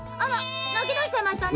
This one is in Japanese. なきだしちゃいましたね。